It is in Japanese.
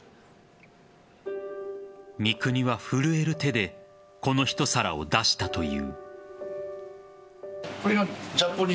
三國は震える手でこのひと皿を出したという。